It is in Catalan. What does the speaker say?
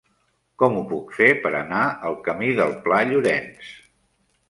Com ho puc fer per anar al camí del Pla Llorenç?